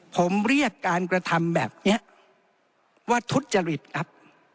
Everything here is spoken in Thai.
ผมเรียกการกระทำแบบนี้ว่าทุจริตครับ